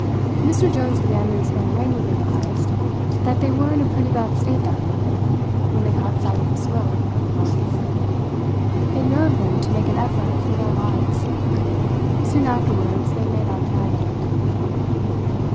Mr Jones began to explain languidly to Heyst that they were in a pretty bad state that morning, when they caught sight of the smoke of the volcano. It nerved them to make an effort for their lives. Soon afterwards they made out the island.